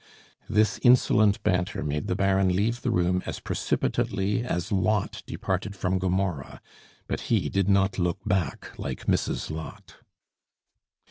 This insolent banter made the Baron leave the room as precipitately as Lot departed from Gomorrah, but he did not look back like Mrs. Lot.